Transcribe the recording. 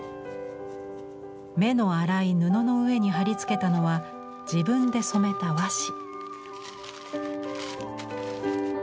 目の粗い布の上に貼り付けたのは自分で染めた和紙。